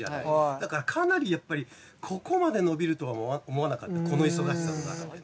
だからかなりやっぱりここまで伸びるとは思わなかったこの忙しさの中で。